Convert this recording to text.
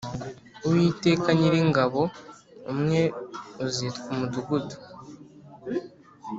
Uwiteka nyiringabo umwe uzitwa umudugudu